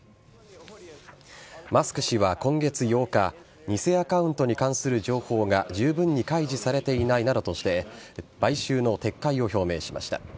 マスク氏は今月８日偽アカウントに関する情報が十分に開示されていないなどとして買収の撤退を表明しました。